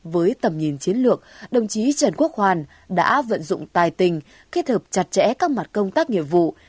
với tầm nhìn chiến lược đồng chí trần quốc hoàn đã vận dụng tài tình kết hợp chặt chẽ các mặt công tác nghiệp vụ